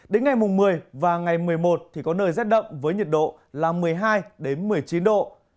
đến ngày một mươi và ngày một mươi một thì có nơi rét đậm với nhiệt độ là một mươi hai một mươi chín độ